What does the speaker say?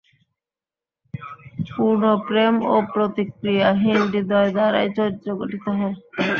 পূর্ণ প্রেম ও প্রতিক্রিয়াহীন হৃদয় দ্বারাই চরিত্র গঠিত হয়।